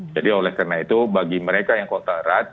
jadi oleh karena itu bagi mereka yang kontak erat